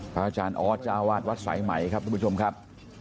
อาจารย์ออสจ้าวาดวัดสายไหมครับทุกผู้ชมครับ